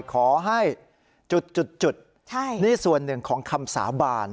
ขอให้จุดนี่ส่วนหนึ่งของคำสาบาน